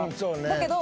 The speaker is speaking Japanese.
だけど。